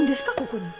ここに。